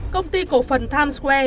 công ty cổ phần times square